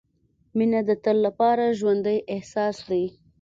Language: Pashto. • مینه د تل لپاره ژوندی احساس دی.